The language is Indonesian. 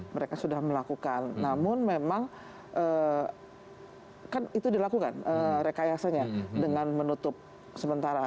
mereka sudah melakukan namun memang kan itu dilakukan rekayasanya dengan menutup sementara